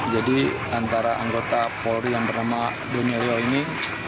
jadi antara anggota polri yang bernama donelio ini